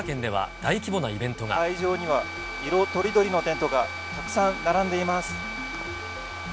また、会場には色とりどりのテントがたくさん並んでいます。